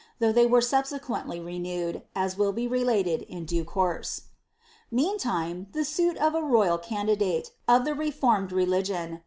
l hey were subaequeiiUy renewed, ttii will be rtlated in due couT&^. Meantime the suit of a royal candidate, of ihe refonned reli^on.